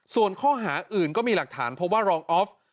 ส่วนข้อหาอื่นก็มีหลักฐานเพราะว่ารองออฟ